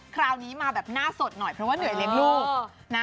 คราวนี้มาแบบหน้าสดหน่อยเพราะว่าเหนื่อยเลี้ยงลูกนะ